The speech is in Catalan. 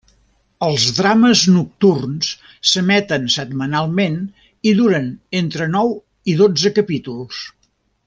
Els drames nocturns s'emeten setmanalment i duren entre nou i dotze capítols.